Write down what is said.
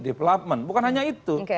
development bukan hanya itu